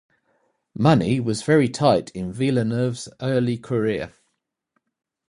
Money was very tight in Villeneuve's early career.